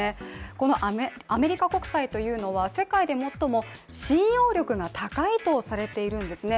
このアメリカ国債というのは世界で最も信用力が高いとされているんですね